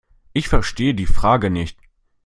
Ich verstehe die Frage nicht.